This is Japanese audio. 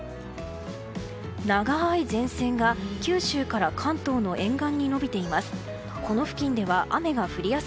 長い前線が九州から関東の沿岸に伸びています。